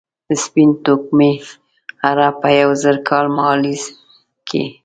سپین توکمي عرب په یو زر کال مهالپېر کې.